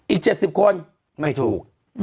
อีก๗๐คนไม่ถูก